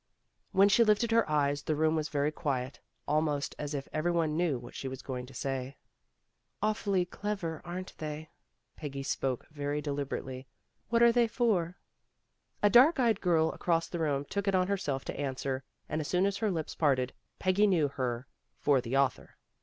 When she lifted her eyes, the room was very quiet, almost as if every one knew what she was going to say. "Awfully clever, aren't 260 PEGGY RAYMOND'S WAY they ?'' Peggy spoke very deliberately. '* What are they for?" A dark eyed girl across the room took it on herself to answer, and as soon as her lips parted, Peggy knew her for the author.